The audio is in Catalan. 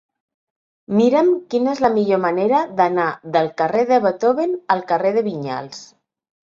Mira'm quina és la millor manera d'anar del carrer de Beethoven al carrer de Vinyals.